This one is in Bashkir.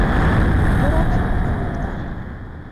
— Дурак һин, Хаммат ағай.